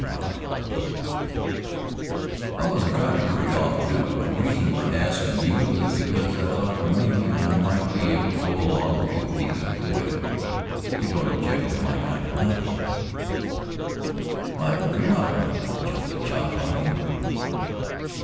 "In about another hour." "I wasn't tryin' to hurry you off, Duke. My reason for askin' you was because I thought maybe I might be able to go along with you a piece of the way, if you don't object to my kind of company." "Why, you're not goin' to jump the job, are you?"